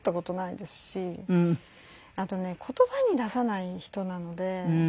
あとね言葉に出さない人なので。